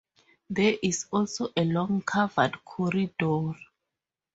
There is also a long covered corridor.